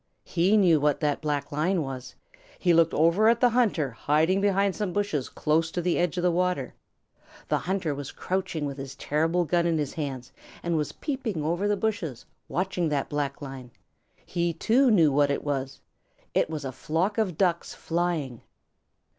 He knew what that black line was. He looked over at the hunter hiding behind some bushes close to the edge of the water. The hunter was crouching with his terrible gun in his hands and was peeping over the bushes, watching that black line. He, too, knew what it was. It was a flock of Ducks flying.